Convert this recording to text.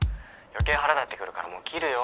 余計腹立ってくるからもう切るよ。